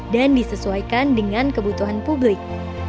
dan disesuaikan dengan kebutuhan publik